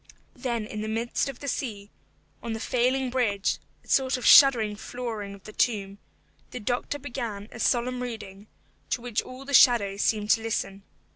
Then in the midst of the sea, on the failing bridge (a sort of shuddering flooring of the tomb), the doctor began a solemn reading, to which all the shadows seemed to listen.